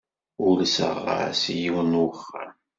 Ulseɣ-as i yiwen n wexxam.